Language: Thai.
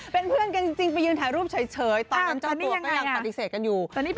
เป็นเพื่อนกันจริงไปยืนถ่ายรูปเฉยตอนนั้นเจ้าตัวก็ยังปฏิเสธกันอยู่